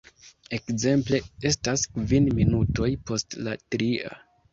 Ekzemple: "Estas kvin minutoj post la tria.